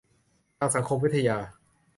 ทางสังคมวิทยา